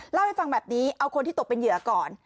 เล่าให้ฟังแบบนี้เอาคนที่ตกเป็นเหยื่อก่อน